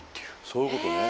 そういうことね。